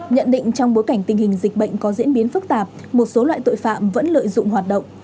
nhận định trong bối cảnh tình hình dịch bệnh có diễn biến phức tạp một số loại tội phạm vẫn lợi dụng hoạt động